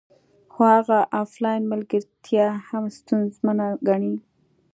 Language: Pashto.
خو هغه افلاین ملګرتیا هم ستونزمنه ګڼي